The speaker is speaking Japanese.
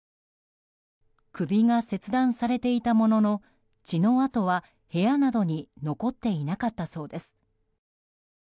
首が切断されていたものの血の痕は部屋などに残っていなかったそうです。